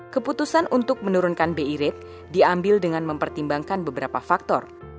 keputusan untuk menurunkan bi rate diambil dengan mempertimbangkan beberapa faktor